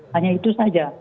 hanya itu saja